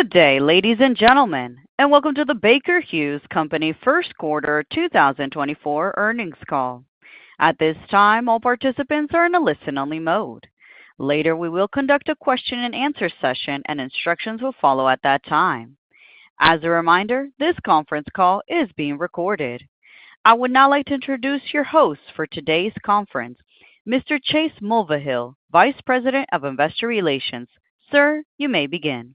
Good day, ladies and gentlemen, and welcome to the Baker Hughes Company first quarter 2024 earnings call. At this time, all participants are in a listen-only mode. Later, we will conduct a question-and-answer session, and instructions will follow at that time. As a reminder, this conference call is being recorded. I would now like to introduce your host for today's conference, Mr. Chase Mulvehill, Vice President of Investor Relations. Sir, you may begin.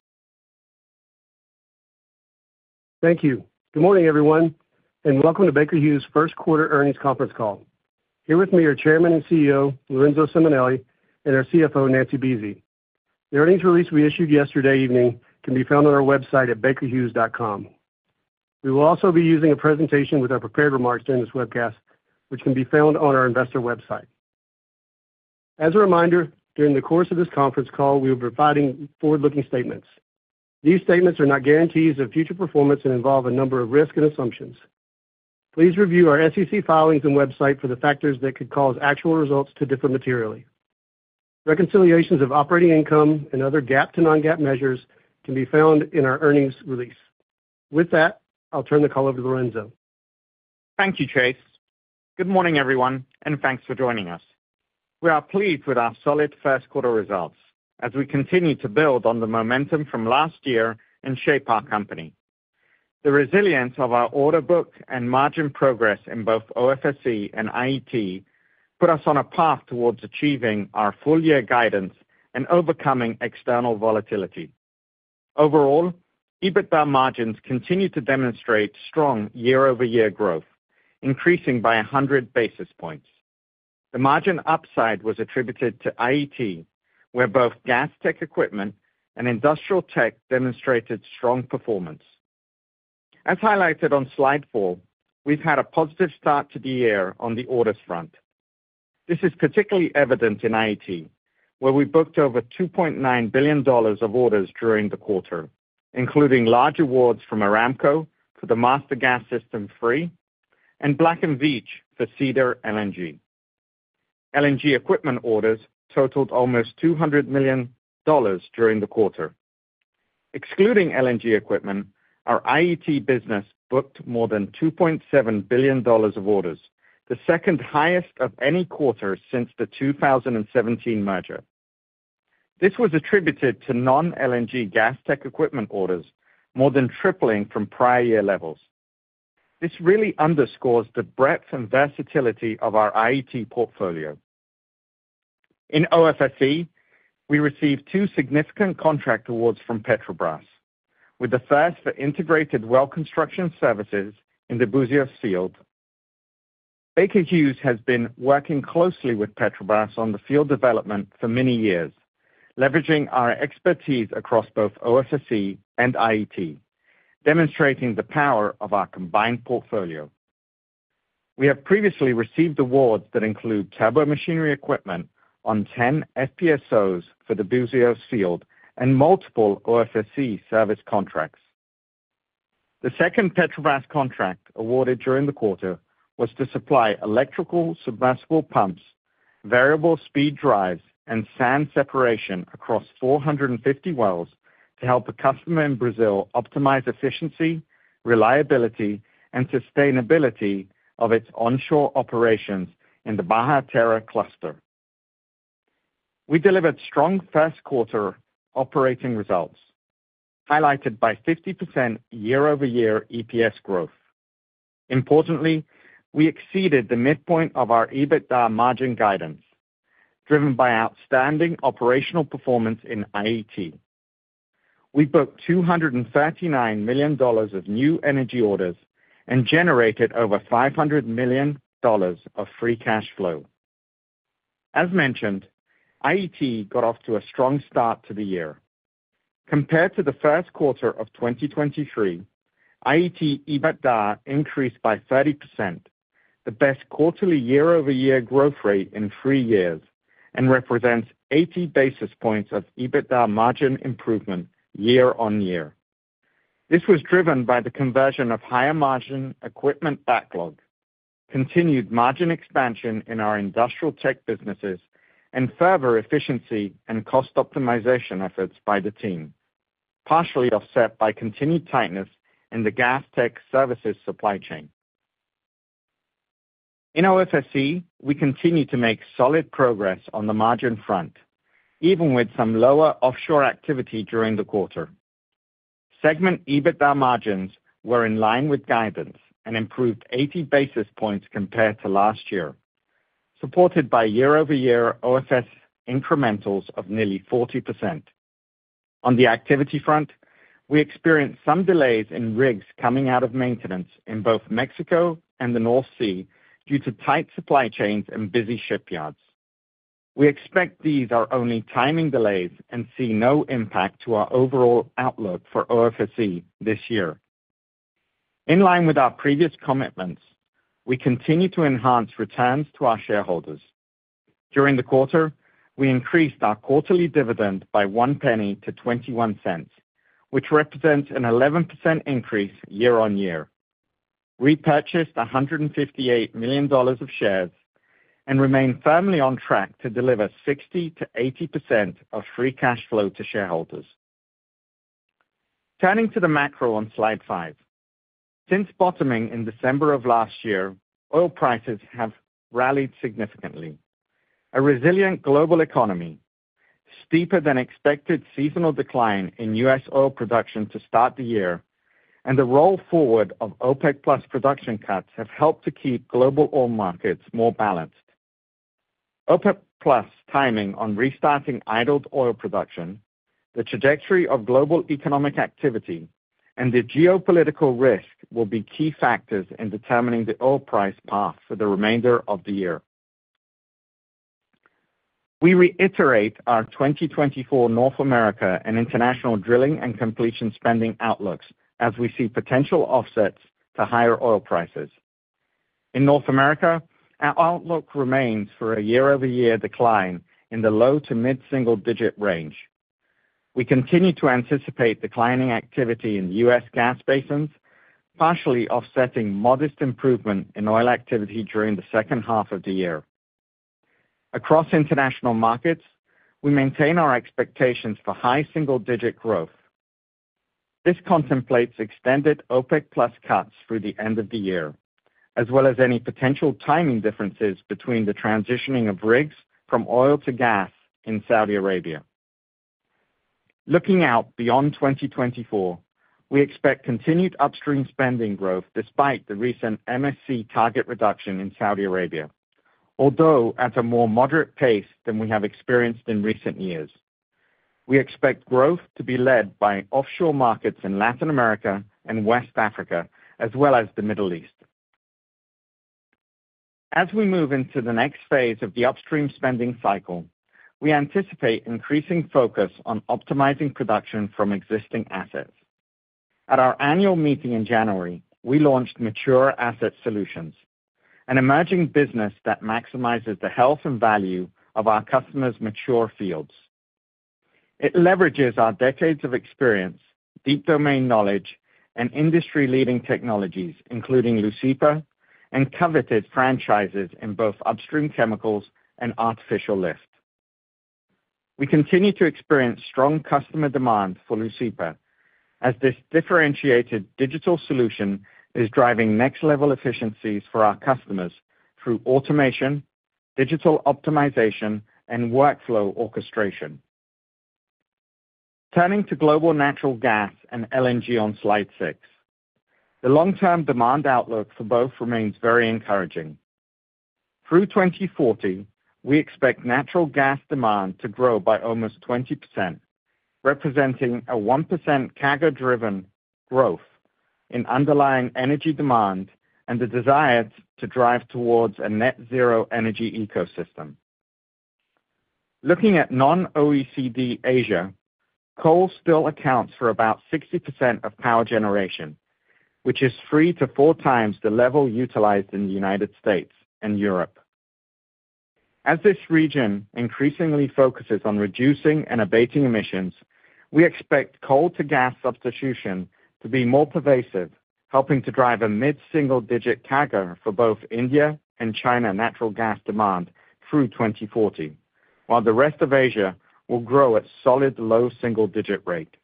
Thank you. Good morning, everyone, and welcome to Baker Hughes' first quarter earnings conference call. Here with me are Chairman and CEO Lorenzo Simonelli and our CFO Nancy Buese. The earnings release we issued yesterday evening can be found on our website at bakerhughes.com. We will also be using a presentation with our prepared remarks during this webcast, which can be found on our investor website. As a reminder, during the course of this conference call, we will be providing forward-looking statements. These statements are not guarantees of future performance and involve a number of risk and assumptions. Please review our SEC filings and website for the factors that could cause actual results to differ materially. Reconciliations of operating income and other GAAP-to-non-GAAP measures can be found in our earnings release. With that, I'll turn the call over to Lorenzo. Thank you, Chase. Good morning, everyone, and thanks for joining us. We are pleased with our solid first quarter results as we continue to build on the momentum from last year and shape our company. The resilience of our order book and margin progress in both OFSE and IET put us on a path towards achieving our full-year guidance and overcoming external volatility. Overall, EBITDA margins continue to demonstrate strong year-over-year growth, increasing by 100 basis points. The margin upside was attributed to IET, where both gas tech equipment and industrial tech demonstrated strong performance. As highlighted on slide four, we've had a positive start to the year on the orders front. This is particularly evident in IET, where we booked over $2.9 billion of orders during the quarter, including large awards from Aramco for the Master Gas System 3, and Black & Veatch for Cedar LNG. LNG equipment orders totaled almost $200 million during the quarter. Excluding LNG equipment, our IET business booked more than $2.7 billion of orders, the second highest of any quarter since the 2017 merger. This was attributed to non-LNG gas tech equipment orders more than tripling from prior year levels. This really underscores the breadth and versatility of our IET portfolio. In OFSE, we received two significant contract awards from Petrobras, with the first for integrated well construction services in the Búzios field. Baker Hughes has been working closely with Petrobras on the field development for many years, leveraging our expertise across both OFSE and IET, demonstrating the power of our combined portfolio. We have previously received awards that include turbomachinery equipment on 10 FPSOs for the Búzios field and multiple OFSE service contracts. The second Petrobras contract awarded during the quarter was to supply electrical submersible pumps, variable speed drives, and sand separation across 450 wells to help a customer in Brazil optimize efficiency, reliability, and sustainability of its onshore operations in the Bahia Terra cluster. We delivered strong first quarter operating results, highlighted by 50% year-over-year EPS growth. Importantly, we exceeded the midpoint of our EBITDA margin guidance, driven by outstanding operational performance in IET. We booked $239 million of new energy orders and generated over $500 million of free cash flow. As mentioned, IET got off to a strong start to the year. Compared to the first quarter of 2023, IET EBITDA increased by 30%, the best quarterly year-over-year growth rate in three years, and represents 80 basis points of EBITDA margin improvement year-over-year. This was driven by the conversion of higher margin equipment backlog, continued margin expansion in our industrial tech businesses, and further efficiency and cost optimization efforts by the team, partially offset by continued tightness in the gas tech services supply chain. In OFSE, we continue to make solid progress on the margin front, even with some lower offshore activity during the quarter. Segment EBITDA margins were in line with guidance and improved 80 basis points compared to last year, supported by year-over-year OFSE incrementals of nearly 40%. On the activity front, we experienced some delays in rigs coming out of maintenance in both Mexico and the North Sea due to tight supply chains and busy shipyards. We expect these are only timing delays and see no impact to our overall outlook for OFSE this year. In line with our previous commitments, we continue to enhance returns to our shareholders. During the quarter, we increased our quarterly dividend by $0.01-$0.21, which represents an 11% increase year-on-year. We purchased $158 million of shares and remain firmly on track to deliver 60%-80% of free cash flow to shareholders. Turning to the macro on slide 5, since bottoming in December of last year, oil prices have rallied significantly. A resilient global economy, steeper than expected seasonal decline in U.S. oil production to start the year, and the roll forward of OPEC+ production cuts have helped to keep global oil markets more balanced. OPEC+ timing on restarting idled oil production, the trajectory of global economic activity, and the geopolitical risk will be key factors in determining the oil price path for the remainder of the year. We reiterate our 2024 North America and international drilling and completion spending outlooks as we see potential offsets to higher oil prices. In North America, our outlook remains for a year-over-year decline in the low to mid-single digit range. We continue to anticipate declining activity in the US gas basins, partially offsetting modest improvement in oil activity during the second half of the year. Across international markets, we maintain our expectations for high single digit growth. This contemplates extended OPEC+ cuts through the end of the year, as well as any potential timing differences between the transitioning of rigs from oil to gas in Saudi Arabia. Looking out beyond 2024, we expect continued upstream spending growth despite the recent MSC target reduction in Saudi Arabia, although at a more moderate pace than we have experienced in recent years. We expect growth to be led by offshore markets in Latin America and West Africa, as well as the Middle East. As we move into the next phase of the upstream spending cycle, we anticipate increasing focus on optimizing production from existing assets. At our annual meeting in January, we launched Mature Asset Solutions, an emerging business that maximizes the health and value of our customers' mature fields. It leverages our decades of experience, deep domain knowledge, and industry-leading technologies, including Leucipa and coveted franchises in both upstream chemicals and artificial lift. We continue to experience strong customer demand for Leucipa as this differentiated digital solution is driving next-level efficiencies for our customers through automation, digital optimization, and workflow orchestration. Turning to global natural gas and LNG on slide six, the long-term demand outlook for both remains very encouraging. Through 2040, we expect natural gas demand to grow by almost 20%, representing a 1% CAGR-driven growth in underlying energy demand and the desire to drive towards a net-zero energy ecosystem. Looking at non-OECD Asia, coal still accounts for about 60% of power generation, which is three to four times the level utilized in the United States and Europe. As this region increasingly focuses on reducing and abating emissions, we expect coal-to-gas substitution to be more pervasive, helping to drive a mid-single digit CAGR for both India and China natural gas demand through 2040, while the rest of Asia will grow at solid low single digit rate.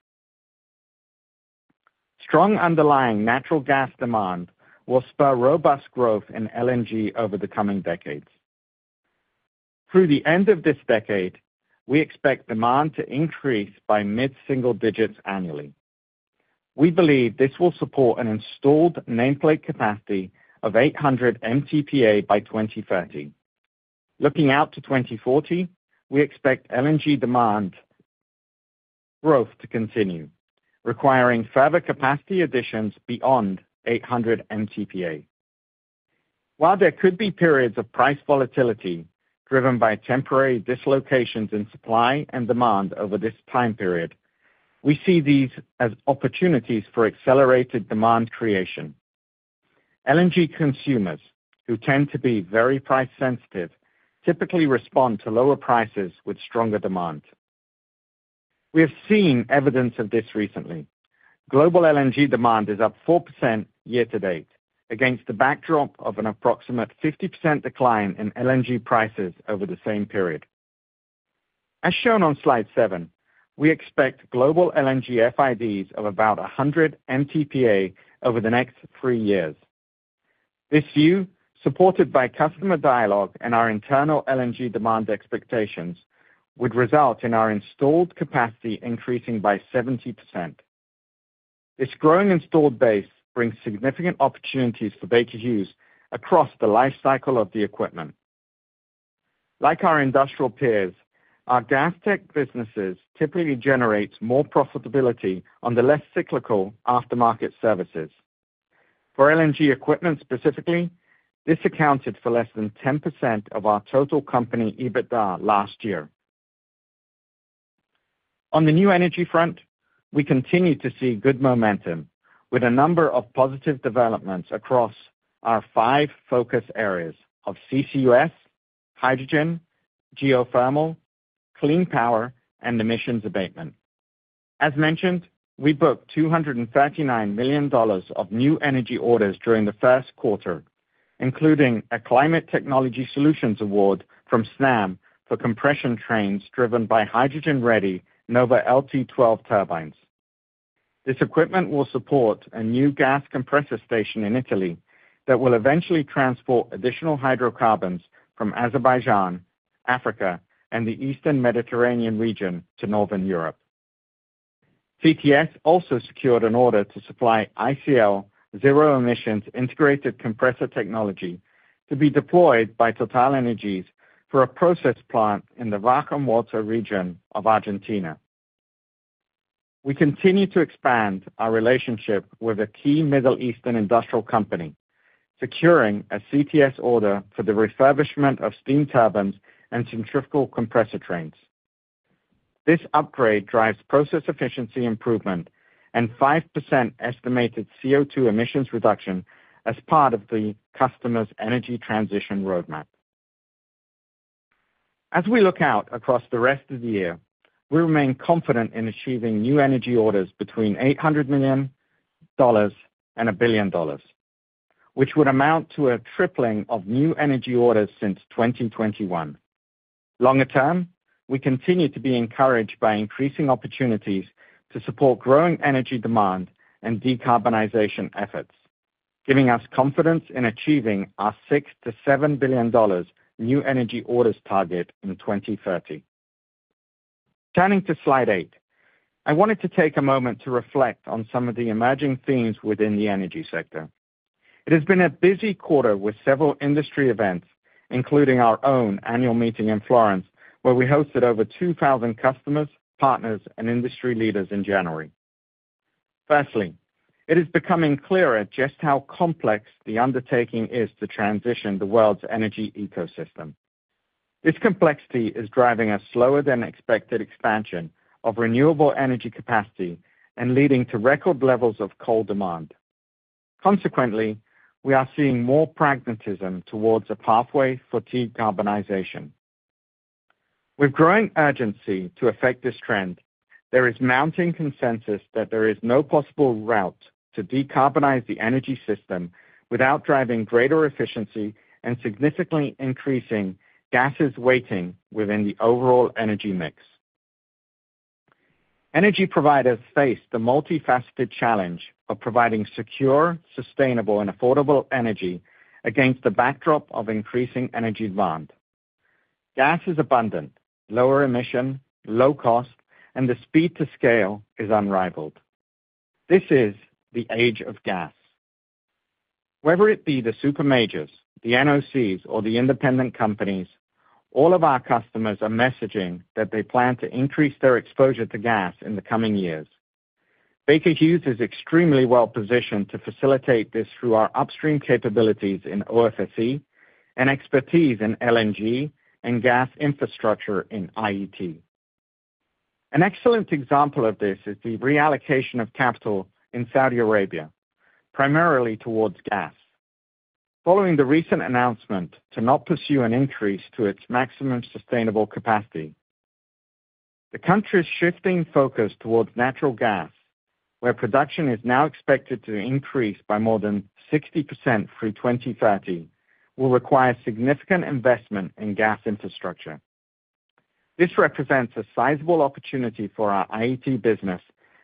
Strong underlying natural gas demand will spur robust growth in LNG over the coming decades. Through the end of this decade, we expect demand to increase by mid-single digits annually. We believe this will support an installed nameplate capacity of 800 MTPA by 2030. Looking out to 2040, we expect LNG demand growth to continue, requiring further capacity additions beyond 800 MTPA. While there could be periods of price volatility driven by temporary dislocations in supply and demand over this time period, we see these as opportunities for accelerated demand creation. LNG consumers, who tend to be very price sensitive, typically respond to lower prices with stronger demand. We have seen evidence of this recently. Global LNG demand is up 4% year to date, against the backdrop of an approximate 50% decline in LNG prices over the same period. As shown on slide seven, we expect global LNG FIDs of about 100 MTPA over the next three years. This view, supported by customer dialogue and our internal LNG demand expectations, would result in our installed capacity increasing by 70%. This growing installed base brings significant opportunities for Baker Hughes across the lifecycle of the equipment. Like our industrial peers, our gas tech businesses typically generate more profitability on the less cyclical aftermarket services. For LNG equipment specifically, this accounted for less than 10% of our total company EBITDA last year. On the new energy front, we continue to see good momentum with a number of positive developments across our five focus areas of CCUS, hydrogen, geothermal, clean power, and emissions abatement. As mentioned, we booked $239 million of new energy orders during the first quarter, including a Climate Technology Solutions Award from SNAM for compression trains driven by hydrogen-ready Nova LT12 turbines. This equipment will support a new gas compressor station in Italy that will eventually transport additional hydrocarbons from Azerbaijan, Africa, and the Eastern Mediterranean region to northern Europe. CTS also secured an order to supply ICL zero-emissions integrated compressor technology to be deployed by TotalEnergies for a process plant in the Vaca Muerta region of Argentina. We continue to expand our relationship with a key Middle Eastern industrial company, securing a CTS order for the refurbishment of steam turbines and centrifugal compressor trains. This upgrade drives process efficiency improvement and 5% estimated CO2 emissions reduction as part of the customer's energy transition roadmap. As we look out across the rest of the year, we remain confident in achieving new energy orders between $800 million and $1 billion, which would amount to a tripling of new energy orders since 2021. Longer term, we continue to be encouraged by increasing opportunities to support growing energy demand and decarbonization efforts, giving us confidence in achieving our $6 billion-$7 billion new energy orders target in 2030. Turning to slide eight, I wanted to take a moment to reflect on some of the emerging themes within the energy sector. It has been a busy quarter with several industry events, including our own annual meeting in Florence where we hosted over 2,000 customers, partners, and industry leaders in January. Firstly, it is becoming clearer just how complex the undertaking is to transition the world's energy ecosystem. This complexity is driving a slower-than-expected expansion of renewable energy capacity and leading to record levels of coal demand. Consequently, we are seeing more pragmatism towards a pathway for decarbonization. With growing urgency to affect this trend, there is mounting consensus that there is no possible route to decarbonize the energy system without driving greater efficiency and significantly increasing gases weighting within the overall energy mix. Energy providers face the multifaceted challenge of providing secure, sustainable, and affordable energy against the backdrop of increasing energy demand. Gas is abundant, lower emission, low cost, and the speed to scale is unrivaled. This is the age of gas. Whether it be the super majors, the NOCs, or the independent companies, all of our customers are messaging that they plan to increase their exposure to gas in the coming years. Baker Hughes is extremely well positioned to facilitate this through our upstream capabilities in OFSE and expertise in LNG and gas infrastructure in IET. An excellent example of this is the reallocation of capital in Saudi Arabia, primarily towards gas. Following the recent announcement to not pursue an increase to its maximum sustainable capacity, the country's shifting focus towards natural gas, where production is now expected to increase by more than 60% through 2030, will require significant investment in gas infrastructure. This represents a sizable opportunity for our IET business,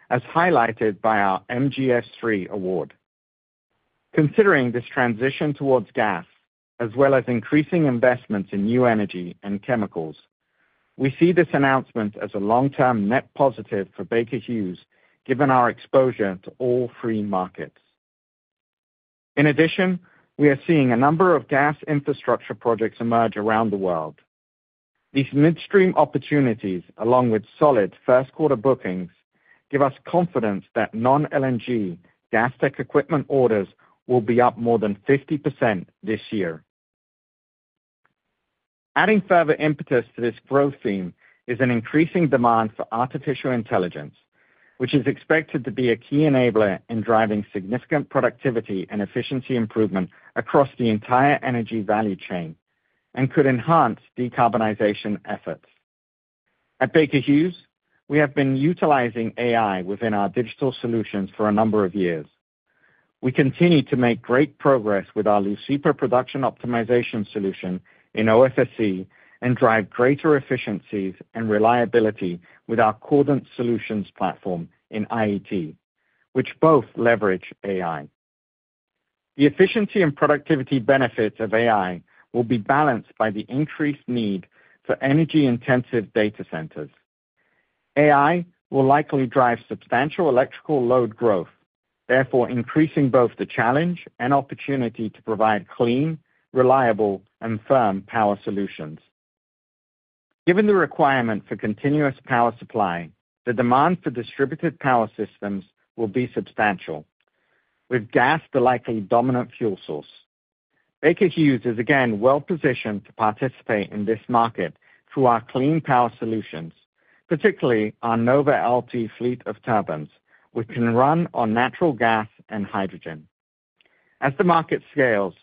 as highlighted by our MGS3 award. Considering this transition towards gas, as well as increasing investments in new energy and chemicals, we see this announcement as a long-term net positive for Baker Hughes given our exposure to all free markets. In addition, we are seeing a number of gas infrastructure projects emerge around the world. These midstream opportunities, along with solid first-quarter bookings, give us confidence that non-LNG gas tech equipment orders will be up more than 50% this year. Adding further impetus to this growth theme is an increasing demand for artificial intelligence, which is expected to be a key enabler in driving significant productivity and efficiency improvement across the entire energy value chain and could enhance decarbonization efforts. At Baker Hughes, we have been utilizing AI within our digital solutions for a number of years. We continue to make great progress with our Leucipa production optimization solution in OFSE and drive greater efficiencies and reliability with our Cordant Solutions platform in IET, which both leverage AI. The efficiency and productivity benefits of AI will be balanced by the increased need for energy-intensive data centers. AI will likely drive substantial electrical load growth, therefore increasing both the challenge and opportunity to provide clean, reliable, and firm power solutions. Given the requirement for continuous power supply, the demand for distributed power systems will be substantial, with gas the likely dominant fuel source. Baker Hughes is again well positioned to participate in this market through our clean power solutions, particularly our NovaLT fleet of turbines, which can run on natural gas and hydrogen. As the market scales,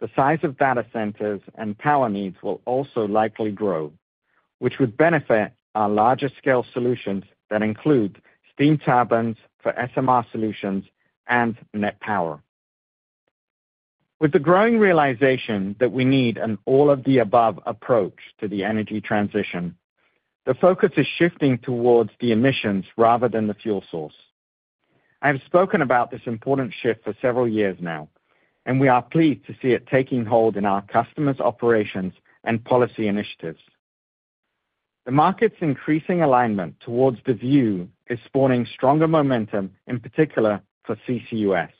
the size of data centers and power needs will also likely grow, which would benefit our larger-scale solutions that include steam turbines for SMR solutions and Net Power. With the growing realization that we need an all-of-the-above approach to the energy transition, the focus is shifting towards the emissions rather than the fuel source. I have spoken about this important shift for several years now, and we are pleased to see it taking hold in our customers' operations and policy initiatives. The market's increasing alignment towards the view is spawning stronger momentum, in particular for CCUS.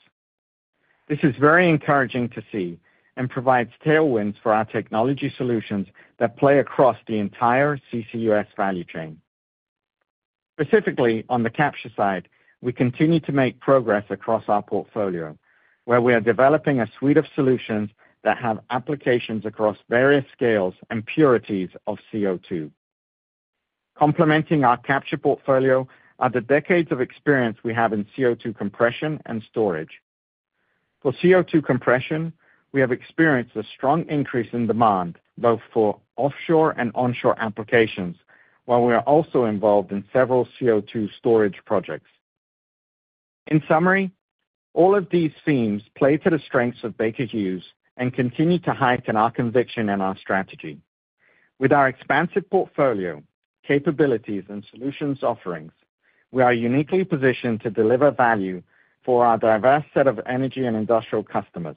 This is very encouraging to see and provides tailwinds for our technology solutions that play across the entire CCUS value chain. Specifically, on the capture side, we continue to make progress across our portfolio, where we are developing a suite of solutions that have applications across various scales and purities of CO2. Complementing our capture portfolio are the decades of experience we have in CO2 compression and storage. For CO2 compression, we have experienced a strong increase in demand both for offshore and onshore applications, while we are also involved in several CO2 storage projects. In summary, all of these themes play to the strengths of Baker Hughes and continue to heighten our conviction and our strategy. With our expansive portfolio, capabilities, and solutions offerings, we are uniquely positioned to deliver value for our diverse set of energy and industrial customers.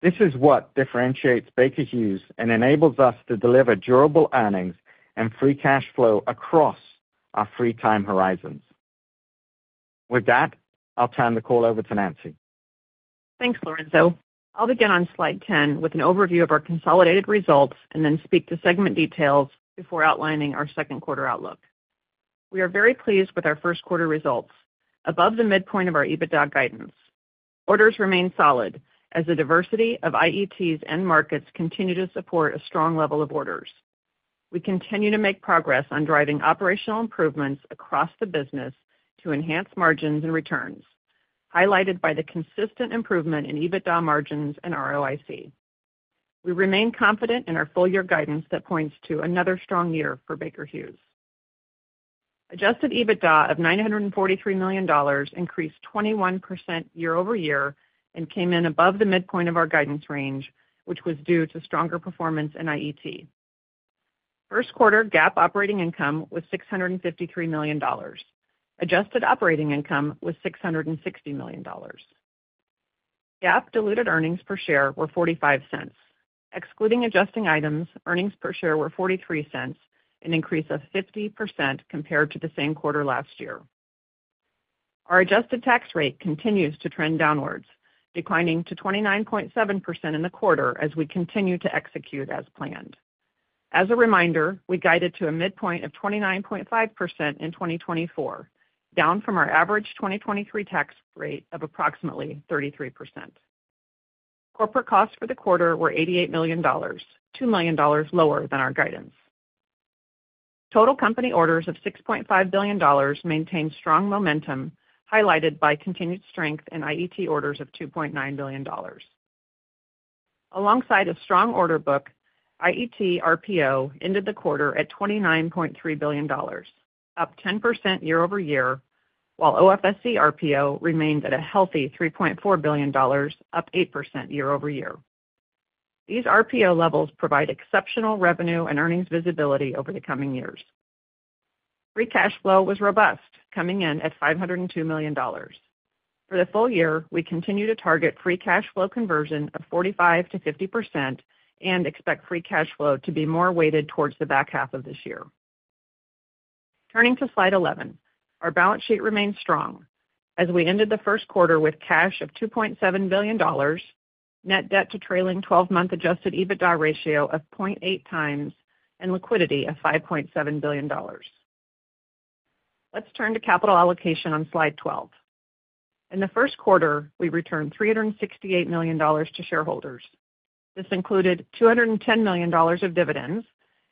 This is what differentiates Baker Hughes and enables us to deliver durable earnings and free cash flow across our free-time horizons. With that, I'll turn the call over to Nancy. Thanks, Lorenzo. I'll begin on slide 10 with an overview of our consolidated results and then speak to segment details before outlining our second-quarter outlook. We are very pleased with our first-quarter results, above the midpoint of our EBITDA guidance. Orders remain solid as the diversity of IETs and markets continue to support a strong level of orders. We continue to make progress on driving operational improvements across the business to enhance margins and returns, highlighted by the consistent improvement in EBITDA margins and ROIC. We remain confident in our full-year guidance that points to another strong year for Baker Hughes. Adjusted EBITDA of $943 million increased 21% year-over-year and came in above the midpoint of our guidance range, which was due to stronger performance in IET. First-quarter GAAP operating income was $653 million. Adjusted operating income was $660 million. GAAP diluted earnings per share were $0.45. Excluding adjusting items, earnings per share were $0.43, an increase of 50% compared to the same quarter last year. Our adjusted tax rate continues to trend downwards, declining to 29.7% in the quarter as we continue to execute as planned. As a reminder, we guided to a midpoint of 29.5% in 2024, down from our average 2023 tax rate of approximately 33%. Corporate costs for the quarter were $88 million, $2 million lower than our guidance. Total company orders of $6.5 billion maintain strong momentum, highlighted by continued strength in IET orders of $2.9 billion. Alongside a strong order book, IET RPO ended the quarter at $29.3 billion, up 10% year-over-year, while OFSE RPO remained at a healthy $3.4 billion, up 8% year-over-year. These RPO levels provide exceptional revenue and earnings visibility over the coming years. Free cash flow was robust, coming in at $502 million. For the full year, we continue to target free cash flow conversion of 45%-50% and expect free cash flow to be more weighted towards the back half of this year. Turning to slide 11, our balance sheet remains strong as we ended the first quarter with cash of $2.7 billion, net debt to trailing 12-month adjusted EBITDA ratio of 0.8 times, and liquidity of $5.7 billion. Let's turn to capital allocation on slide 12. In the first quarter, we returned $368 million to shareholders. This included $210 million of dividends,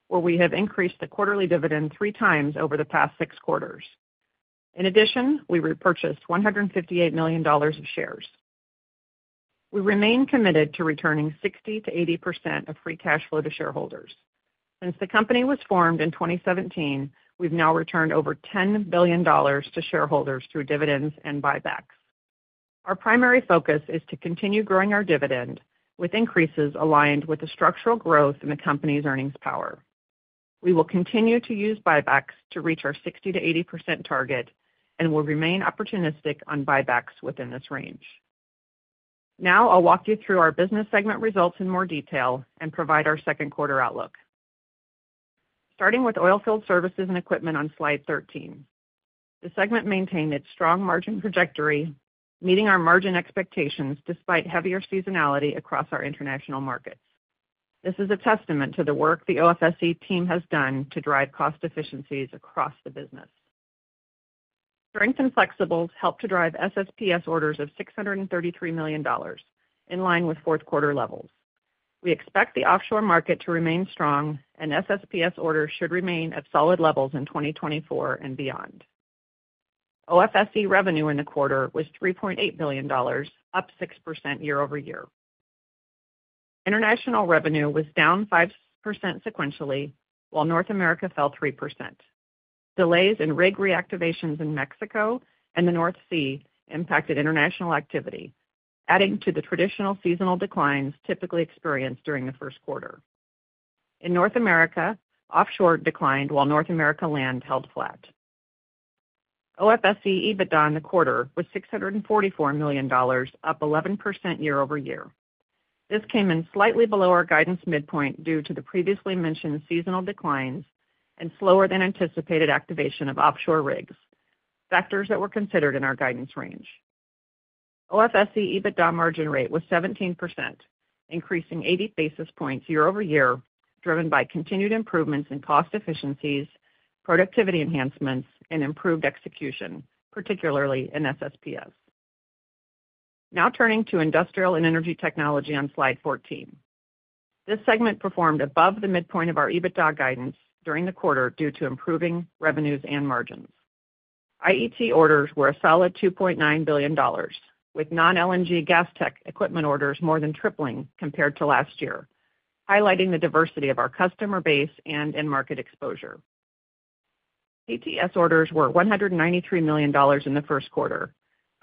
where we have increased the quarterly dividend three times over the past six quarters. In addition, we repurchased $158 million of shares. We remain committed to returning 60%-80% of free cash flow to shareholders. Since the company was formed in 2017, we've now returned over $10 billion to shareholders through dividends and buybacks. Our primary focus is to continue growing our dividend with increases aligned with the structural growth in the company's earnings power. We will continue to use buybacks to reach our 60%-80% target and will remain opportunistic on buybacks within this range. Now I'll walk you through our business segment results in more detail and provide our second-quarter outlook. Starting with Oilfield Services and Equipment on slide 13, the segment maintained its strong margin trajectory, meeting our margin expectations despite heavier seasonality across our international markets. This is a testament to the work the OFSE team has done to drive cost efficiencies across the business. Strength in flexibles helped to drive SSPS orders of $633 million, in line with fourth-quarter levels. We expect the offshore market to remain strong, and SSPS orders should remain at solid levels in 2024 and beyond. OFSE revenue in the quarter was $3.8 billion, up 6% year-over-year. International revenue was down 5% sequentially, while North America fell 3%. Delays in rig reactivations in Mexico and the North Sea impacted international activity, adding to the traditional seasonal declines typically experienced during the first quarter. In North America, offshore declined, while North America land held flat. OFSE EBITDA in the quarter was $644 million, up 11% year-over-year. This came in slightly below our guidance midpoint due to the previously mentioned seasonal declines and slower than anticipated activation of offshore rigs, factors that were considered in our guidance range. OFSE EBITDA margin rate was 17%, increasing 80 basis points year-over-year, driven by continued improvements in cost efficiencies, productivity enhancements, and improved execution, particularly in SSPS. Now turning to industrial and energy technology on slide 14. This segment performed above the midpoint of our EBITDA guidance during the quarter due to improving revenues and margins. IET orders were a solid $2.9 billion, with non-LNG gas tech equipment orders more than tripling compared to last year, highlighting the diversity of our customer base and in-market exposure. CTS orders were $193 million in the first quarter,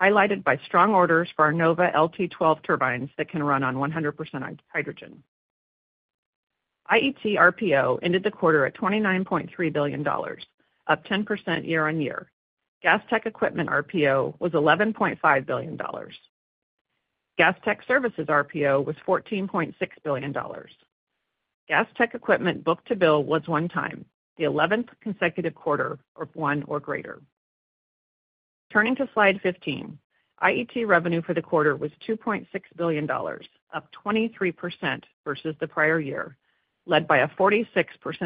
highlighted by strong orders for our Nova LT12 turbines that can run on 100% hydrogen. IET RPO ended the quarter at $29.3 billion, up 10% year-on-year. Gas tech equipment RPO was $11.5 billion. Gas tech services RPO was $14.6 billion. Gas Tech Equipment book-to-bill was 1.0x, the 11th consecutive quarter of 1.0 or greater. Turning to slide 15, IET revenue for the quarter was $2.6 billion, up 23% versus the prior year, led by a 46%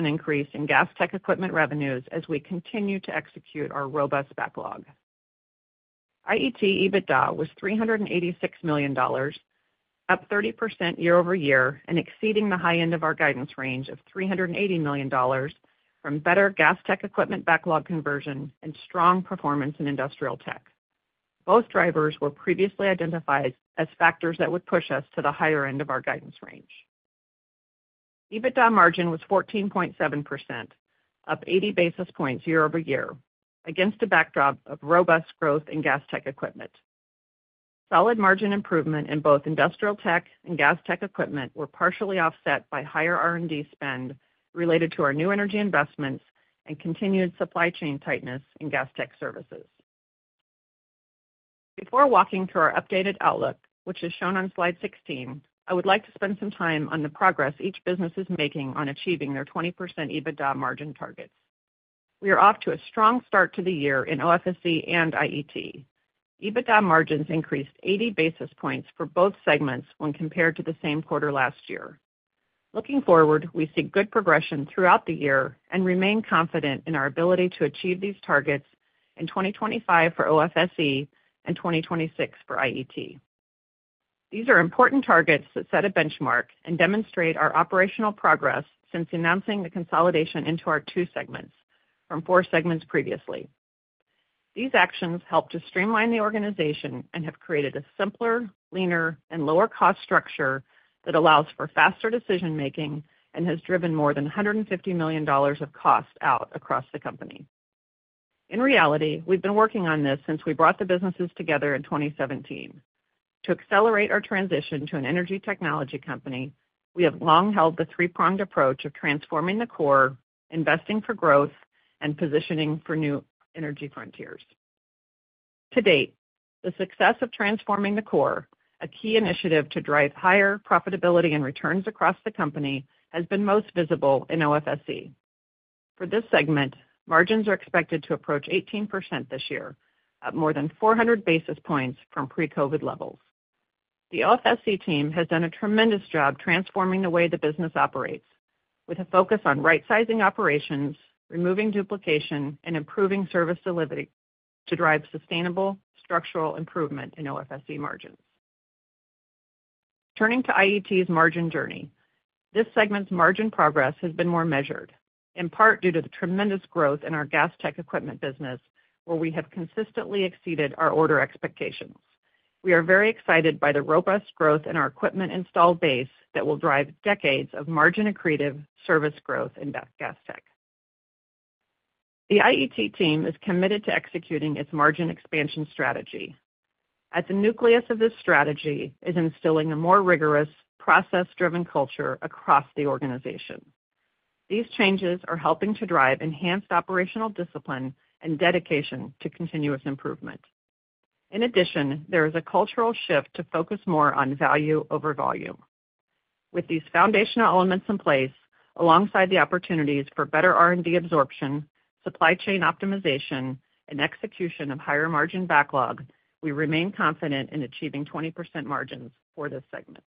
increase in Gas Tech Equipment revenues as we continue to execute our robust backlog. IET EBITDA was $386 million, up 30% year-over-year and exceeding the high end of our guidance range of $380 million from better Gas Tech Equipment backlog conversion and strong performance in Industrial Tech. Both drivers were previously identified as factors that would push us to the higher end of our guidance range. EBITDA margin was 14.7%, up 80 basis points year-over-year, against a backdrop of robust growth in Gas Tech Equipment. Solid margin improvement in both Industrial Tech and Gas Tech Equipment were partially offset by higher R&D spend related to our new energy investments and continued supply chain tightness in Gas Tech Services. Before walking through our updated outlook, which is shown on slide 16, I would like to spend some time on the progress each business is making on achieving their 20% EBITDA margin targets. We are off to a strong start to the year in OFSE and IET. EBITDA margins increased 80 basis points for both segments when compared to the same quarter last year. Looking forward, we see good progression throughout the year and remain confident in our ability to achieve these targets in 2025 for OFSE and 2026 for IET. These are important targets that set a benchmark and demonstrate our operational progress since announcing the consolidation into our two segments from four segments previously. These actions help to streamline the organization and have created a simpler, leaner, and lower-cost structure that allows for faster decision-making and has driven more than $150 million of cost out across the company. In reality, we've been working on this since we brought the businesses together in 2017. To accelerate our transition to an energy technology company, we have long held the three-pronged approach of transforming the core, investing for growth, and positioning for new energy frontiers. To date, the success of transforming the core, a key initiative to drive higher profitability and returns across the company, has been most visible in OFSE. For this segment, margins are expected to approach 18% this year, up more than 400 basis points from pre-COVID levels. The OFSE team has done a tremendous job transforming the way the business operates, with a focus on right-sizing operations, removing duplication, and improving service delivery to drive sustainable structural improvement in OFSE margins. Turning to IET's margin journey, this segment's margin progress has been more measured, in part due to the tremendous growth in our gas tech equipment business, where we have consistently exceeded our order expectations. We are very excited by the robust growth in our equipment install base that will drive decades of margin accretive service growth in gas tech. The IET team is committed to executing its margin expansion strategy. At the nucleus of this strategy is instilling a more rigorous, process-driven culture across the organization. These changes are helping to drive enhanced operational discipline and dedication to continuous improvement. In addition, there is a cultural shift to focus more on value over volume. With these foundational elements in place, alongside the opportunities for better R&D absorption, supply chain optimization, and execution of higher margin backlog, we remain confident in achieving 20% margins for this segment.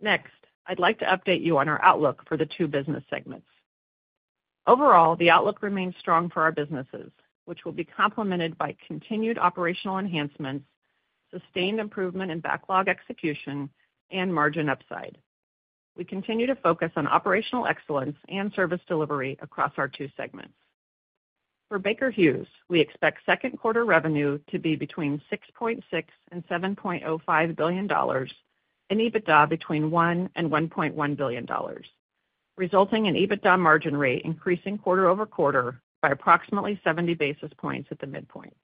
Next, I'd like to update you on our outlook for the two business segments. Overall, the outlook remains strong for our businesses, which will be complemented by continued operational enhancements, sustained improvement in backlog execution, and margin upside. We continue to focus on operational excellence and service delivery across our two segments. For Baker Hughes, we expect second-quarter revenue to be between $6.6 billion-$7.05 billion and EBITDA between $1 billion-$1.1 billion, resulting in EBITDA margin rate increasing quarter-over-quarter by approximately 70 basis points at the midpoint.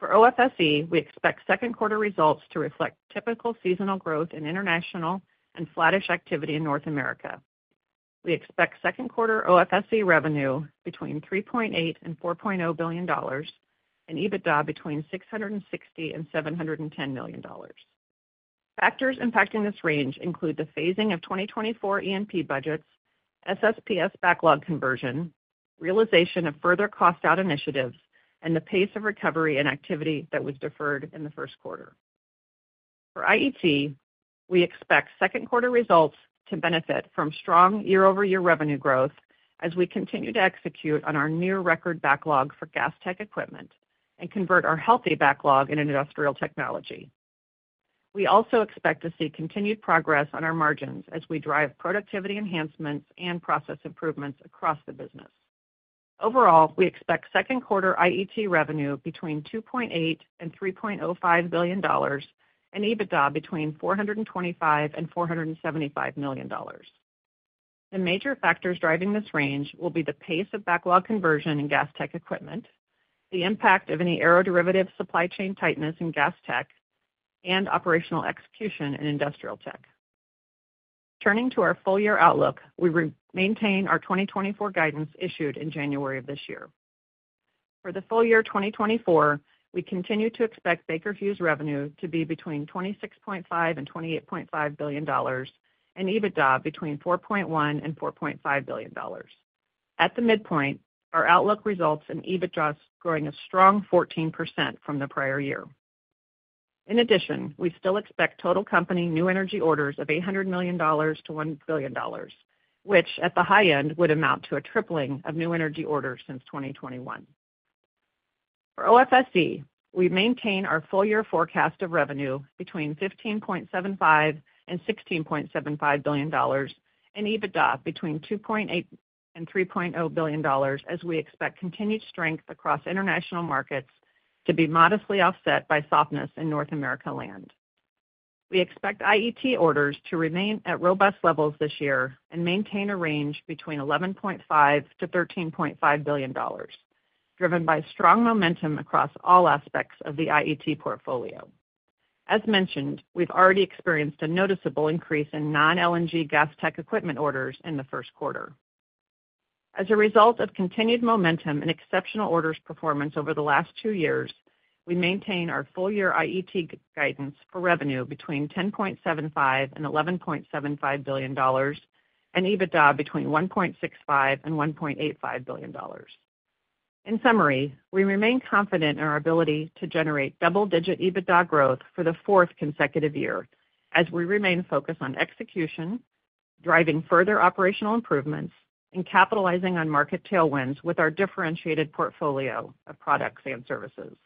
For OFSE, we expect second-quarter results to reflect typical seasonal growth in international and flat-ish activity in North America. We expect second-quarter OFSE revenue between $3.8 billion-$4.0 billion and EBITDA between $660 million-$710 million. Factors impacting this range include the phasing of 2024 E&P budgets, SSPS backlog conversion, realization of further cost-out initiatives, and the pace of recovery and activity that was deferred in the first quarter. For IET, we expect second-quarter results to benefit from strong year-over-year revenue growth as we continue to execute on our near-record backlog for gas tech equipment and convert our healthy backlog in industrial technology. We also expect to see continued progress on our margins as we drive productivity enhancements and process improvements across the business. Overall, we expect second-quarter IET revenue between $2.8 billion-$3.05 billion and EBITDA between $425 million-$475 million. The major factors driving this range will be the pace of backlog conversion in Gas Tech Equipment, the impact of any aero-derivative supply chain tightness in Gas Tech, and operational execution in Industrial Tech. Turning to our full-year outlook, we maintain our 2024 guidance issued in January of this year. For the full year 2024, we continue to expect Baker Hughes revenue to be between $26.5 billion-$28.5 billion and EBITDA between $4.1 billion-$4.5 billion. At the midpoint, our outlook results in EBITDA growing a strong 14% from the prior year. In addition, we still expect total company new energy orders of $800 million-$1 billion, which at the high end would amount to a tripling of new energy orders since 2021. For OFSE, we maintain our full-year forecast of revenue between $15.75 billion and $16.75 billion and EBITDA between $2.8 billion and $3.0 billion as we expect continued strength across international markets to be modestly offset by softness in North America land. We expect IET orders to remain at robust levels this year and maintain a range between $11.5 billion-$13.5 billion, driven by strong momentum across all aspects of the IET portfolio. As mentioned, we've already experienced a noticeable increase in non-LNG gas tech equipment orders in the first quarter. As a result of continued momentum and exceptional orders performance over the last two years, we maintain our full-year IET guidance for revenue between $10.75 billion and $11.75 billion and EBITDA between $1.65 billion and $1.85 billion. In summary, we remain confident in our ability to generate double-digit EBITDA growth for the fourth consecutive year as we remain focused on execution, driving further operational improvements, and capitalizing on market tailwinds with our differentiated portfolio of products and services.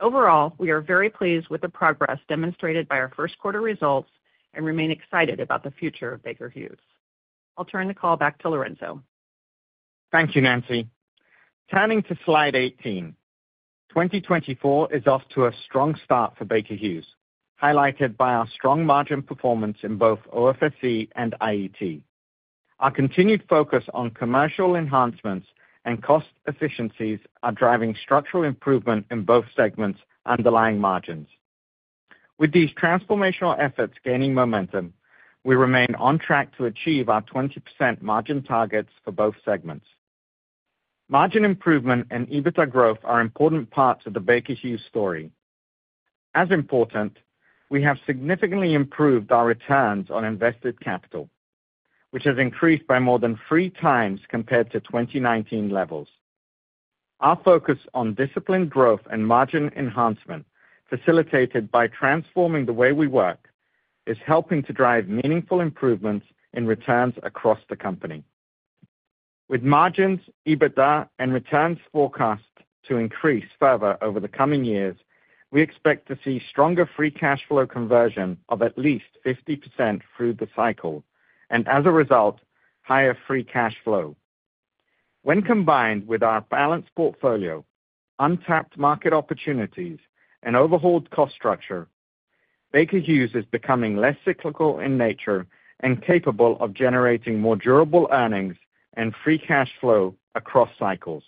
Overall, we are very pleased with the progress demonstrated by our first-quarter results and remain excited about the future of Baker Hughes. I'll turn the call back to Lorenzo. Thank you, Nancy. Turning to slide 18, 2024 is off to a strong start for Baker Hughes, highlighted by our strong margin performance in both OFSE and IET. Our continued focus on commercial enhancements and cost efficiencies are driving structural improvement in both segments' underlying margins. With these transformational efforts gaining momentum, we remain on track to achieve our 20% margin targets for both segments. Margin improvement and EBITDA growth are important parts of the Baker Hughes story. As important, we have significantly improved our returns on invested capital, which has increased by more than three times compared to 2019 levels. Our focus on disciplined growth and margin enhancement, facilitated by transforming the way we work, is helping to drive meaningful improvements in returns across the company. With margins, EBITDA, and returns forecast to increase further over the coming years, we expect to see stronger free cash flow conversion of at least 50% through the cycle and, as a result, higher free cash flow. When combined with our balanced portfolio, untapped market opportunities, and overhauled cost structure, Baker Hughes is becoming less cyclical in nature and capable of generating more durable earnings and free cash flow across cycles.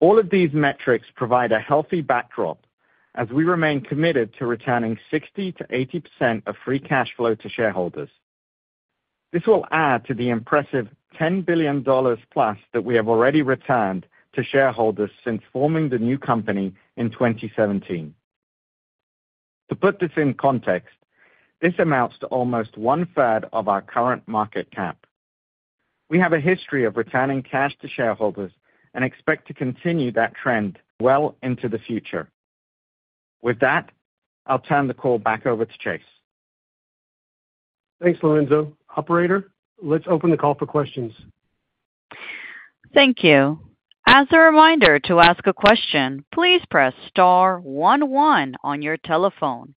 All of these metrics provide a healthy backdrop as we remain committed to returning 60%-80% of free cash flow to shareholders. This will add to the impressive $10 billion plus that we have already returned to shareholders since forming the new company in 2017. To put this in context, this amounts to almost one-third of our current market cap. We have a history of returning cash to shareholders and expect to continue that trend well into the future. With that, I'll turn the call back over to Chase. Thanks, Lorenzo. Operator, let's open the call for questions. Thank you. As a reminder to ask a question, please press star 11 on your telephone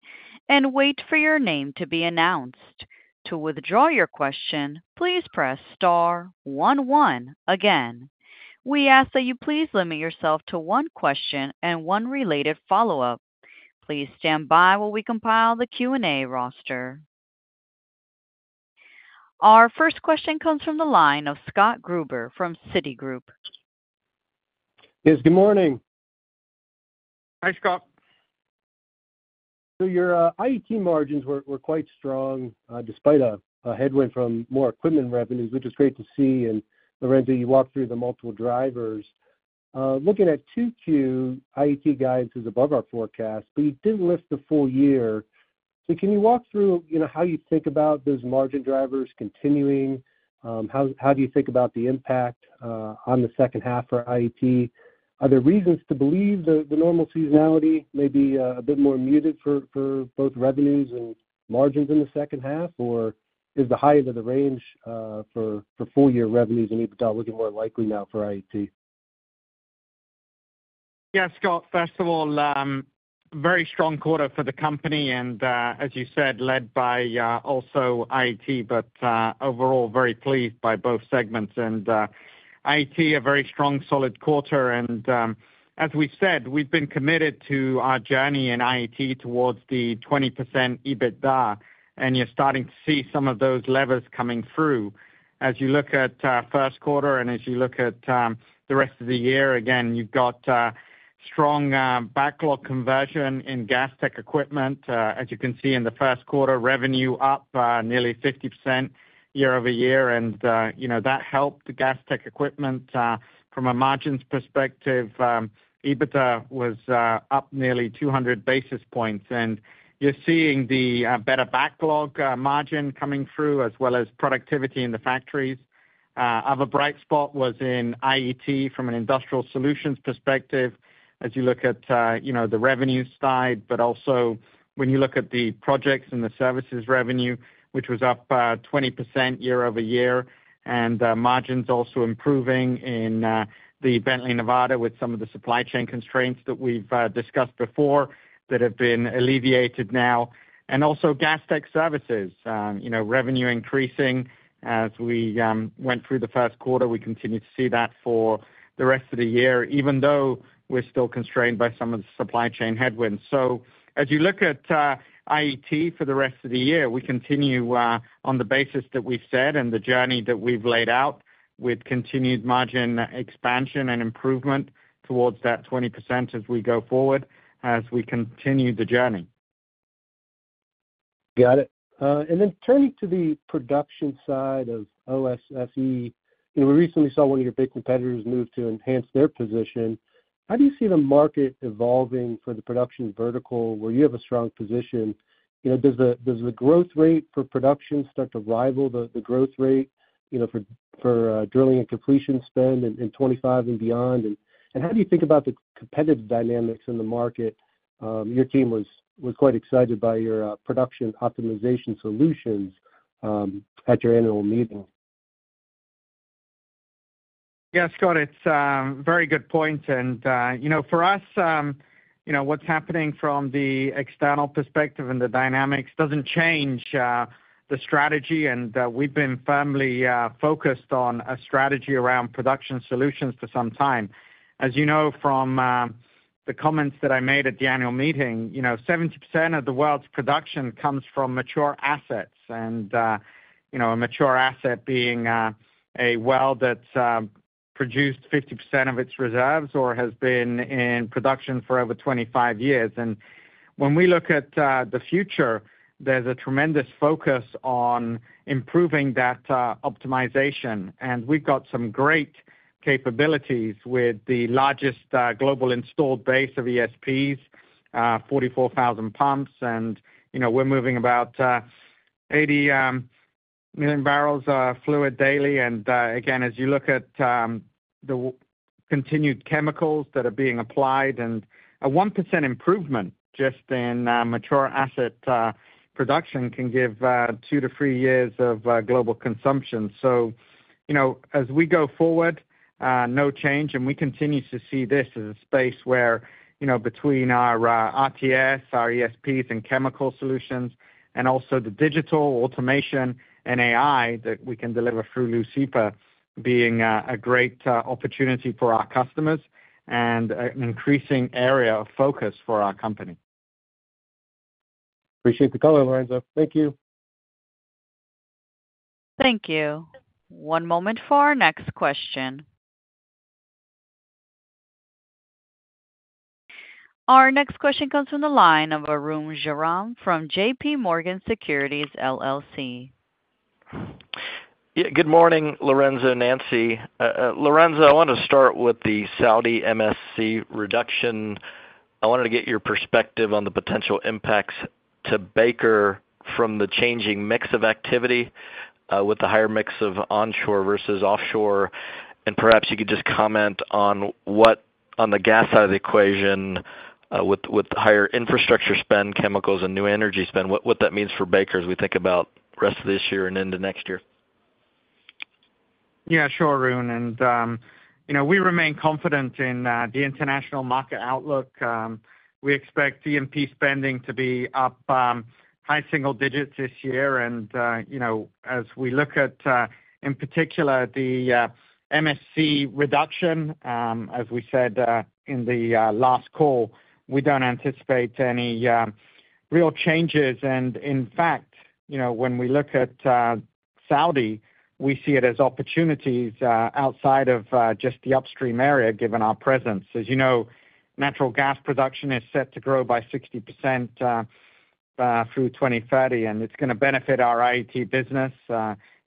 and wait for your name to be announced. To withdraw your question, please press star 11 again. We ask that you please limit yourself to one question and one related follow-up. Please stand by while we compile the Q&A roster. Our first question comes from the line of Scott Gruber from Citigroup. Yes, good morning. Hi, Scott. So your IET margins were quite strong despite a headwind from more equipment revenues, which is great to see. And Lorenzo, you walked through the multiple drivers. Looking at 2Q, IET guidance is above our forecast, but you didn't lift the full year. So can you walk through how you think about those margin drivers continuing? How do you think about the impact on the second half for IET? Are there reasons to believe the normal seasonality may be a bit more muted for both revenues and margins in the second half, or is the high end of the range for full-year revenues and EBITDA looking more likely now for IET? Yeah, Scott. First of all, very strong quarter for the company and, as you said, led by also IET, but overall very pleased by both segments. IET, a very strong, solid quarter. And as we've said, we've been committed to our journey in IET towards the 20% EBITDA, and you're starting to see some of those levers coming through. As you look at first quarter and as you look at the rest of the year, again, you've got strong backlog conversion in Gas Tech Equipment. As you can see in the first quarter, revenue up nearly 50% year-over-year, and that helped Gas Tech Equipment. From a margins perspective, EBITDA was up nearly 200 basis points, and you're seeing the better backlog margin coming through as well as productivity in the factories. Other bright spot was in IET from an industrial solutions perspective. As you look at the revenue side, but also when you look at the projects and the services revenue, which was up 20% year-over-year, and margins also improving in the Bently Nevada with some of the supply chain constraints that we've discussed before that have been alleviated now. Also Gas Tech Services revenue increasing as we went through the first quarter. We continue to see that for the rest of the year, even though we're still constrained by some of the supply chain headwinds. As you look at IET for the rest of the year, we continue on the basis that we've said and the journey that we've laid out with continued margin expansion and improvement towards that 20% as we go forward, as we continue the journey. Got it. Then turning to the production side of OFSE, we recently saw one of your big competitors move to enhance their position. How do you see the market evolving for the production vertical where you have a strong position? Does the growth rate for production start to rival the growth rate for drilling and completion spend in 2025 and beyond? And how do you think about the competitive dynamics in the market? Your team was quite excited by your production optimization solutions at your annual meeting. Yeah, Scott, it's a very good point. And for us, what's happening from the external perspective and the dynamics doesn't change the strategy, and we've been firmly focused on a strategy around production solutions for some time. As you know from the comments that I made at the annual meeting, 70% of the world's production comes from mature assets, and a mature asset being a well that produced 50% of its reserves or has been in production for over 25 years. And when we look at the future, there's a tremendous focus on improving that optimization, and we've got some great capabilities with the largest global installed base of ESPs, 44,000 pumps, and we're moving about 80 million barrels of fluid daily. And again, as you look at the continued chemicals that are being applied, a 1% improvement just in mature asset production can givetwo to three years of global consumption. So as we go forward, no change, and we continue to see this as a space where between our RTS, our ESPs, and chemical solutions, and also the digital automation and AI that we can deliver through Leucipa being a great opportunity for our customers and an increasing area of focus for our company. Appreciate the call, Lorenzo. Thank you. Thank you. One moment for our next question. Our next question comes from the line of Arun Jayaram from JPMorgan Securities LLC. Yeah, good morning, Lorenzo, Nancy. Lorenzo, I wanted to start with the Saudi MSC reduction. I wanted to get your perspective on the potential impacts to Baker from the changing mix of activity with the higher mix of onshore versus offshore. And perhaps you could just comment on the gas side of the equation with higher infrastructure spend, chemicals, and new energy spend, what that means for Baker as we think about the rest of this year and into next year? Yeah, sure, Arun. We remain confident in the international market outlook. We expect OPEC spending to be up high single digits this year. As we look at, in particular, the MSC reduction, as we said in the last call, we don't anticipate any real changes. In fact, when we look at Saudi, we see it as opportunities outside of just the upstream area given our presence. As you know, natural gas production is set to grow by 60% through 2030, and it's going to benefit our IET business.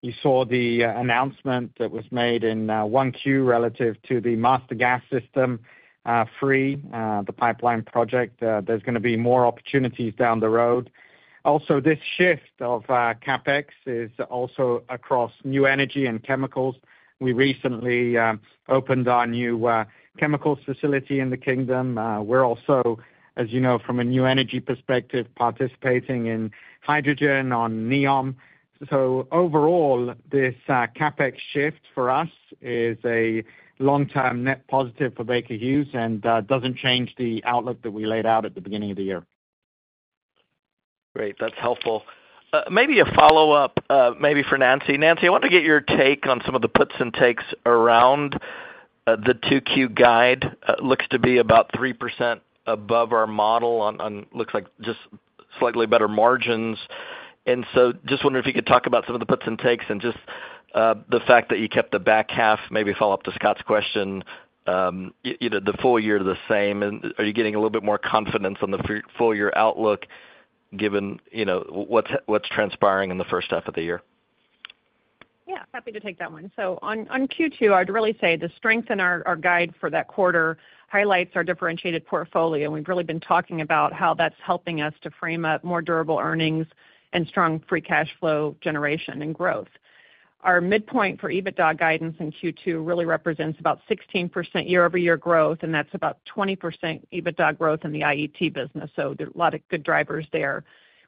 You saw the announcement that was made in 1Q relative to the Master Gas System 3, the pipeline project. There's going to be more opportunities down the road. Also, this shift of CapEx is also across new energy and chemicals. We recently opened our new chemicals facility in the kingdom. We're also, as you know, from a new energy perspective, participating in hydrogen on NEOM. Overall, this CapEx shift for us is a long-term net positive for Baker Hughes and doesn't change the outlook that we laid out at the beginning of the year. Great. That's helpful. Maybe a follow-up for Nancy. Nancy, I wanted to get your take on some of the puts and takes around the 2Q guide. It looks to be about 3% above our model on, looks like, just slightly better margins. And so just wondering if you could talk about some of the puts and takes and just the fact that you kept the back half, maybe follow up to Scott's question, the full year the same. And are you getting a little bit more confidence on the full-year outlook given what's transpiring in the first half of the year? Yeah, happy to take that one. So on Q2, I'd really say the strength in our guide for that quarter highlights our differentiated portfolio. And we've really been talking about how that's helping us to frame up more durable earnings and strong free cash flow generation and growth. Our midpoint for EBITDA guidance in Q2 really represents about 16% year-over-year growth, and that's about 20% EBITDA growth in the IET business. So there's a lot of good drivers there.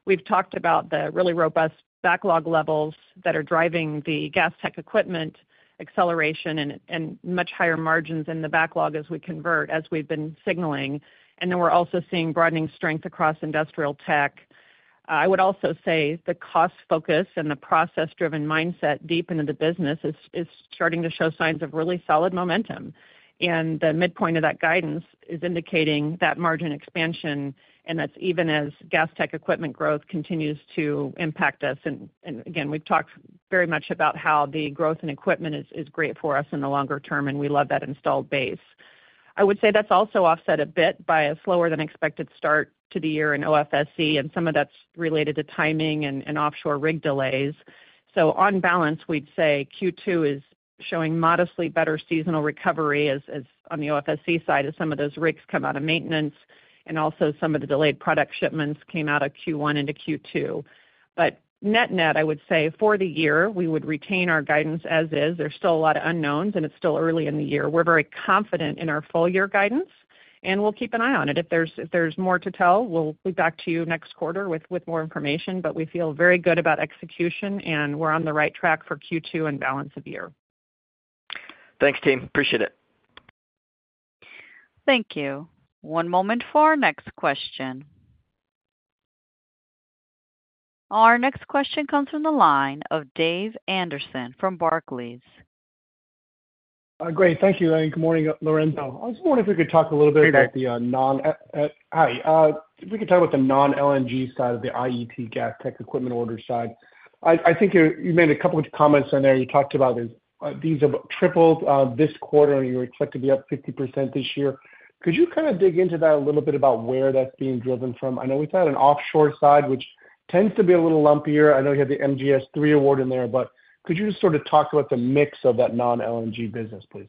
We've talked about the really robust backlog levels that are driving the gas tech equipment acceleration and much higher margins in the backlog as we convert, as we've been signaling. And then we're also seeing broadening strength across industrial tech. I would also say the cost focus and the process-driven mindset deep into the business is starting to show signs of really solid momentum. The midpoint of that guidance is indicating that margin expansion, and that's even as gas tech equipment growth continues to impact us. Again, we've talked very much about how the growth in equipment is great for us in the longer term, and we love that installed base. I would say that's also offset a bit by a slower-than-expected start to the year in OFSE, and some of that's related to timing and offshore rig delays. On balance, we'd say Q2 is showing modestly better seasonal recovery on the OFSE side as some of those rigs come out of maintenance and also some of the delayed product shipments came out of Q1 into Q2. Net-net, I would say for the year, we would retain our guidance as is. There's still a lot of unknowns, and it's still early in the year. We're very confident in our full-year guidance, and we'll keep an eye on it. If there's more to tell, we'll be back to you next quarter with more information. But we feel very good about execution, and we're on the right track for Q2 and balance of year. Thanks, team. Appreciate it. Thank you. One moment for our next question. Our next question comes from the line of Dave Anderson from Barclays. Great. Thank you. Good morning, Lorenzo. I just wondered if we could talk a little bit about the non-LNG side of the IET gas tech equipment order side. I think you made a couple of comments in there. You talked about these have tripled this quarter, and you were expected to be up 50% this year. Could you kind of dig into that a little bit about where that's being driven from? I know we've had an offshore side, which tends to be a little lumpier. I know you had the MGS3 award in there, but could you just sort of talk about the mix of that non-LNG business, please?